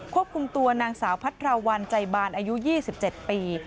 ควบคุมตัวนางสาวพัทราวันใจบานอายุ๒๗ปี